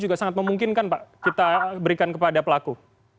juga sangat memungkinkan pak kita berikan kepada pelaku